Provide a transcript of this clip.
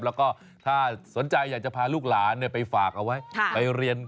แล้วก็ถ้าสนใจอยากจะพาลูกหลานไปฝากเอาไว้ไปเรียน